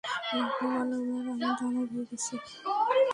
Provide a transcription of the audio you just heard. আপনি মানব আর আমি দানব হয়ে গেছি।